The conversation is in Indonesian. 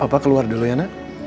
papa keluar dulu ya na